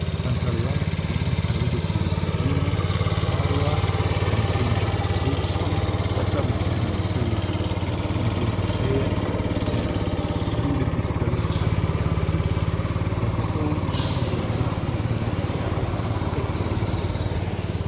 Pantaleone again alluded to the dragoons in Padua, and Principe Tarbuski; the sub lieutenant to "exghizes léchères" and "goups de bistolet à l'amiaple." But the old man would not even hear of any exghizes!